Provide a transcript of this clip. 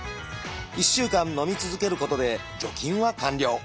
１週間のみ続けることで除菌は完了。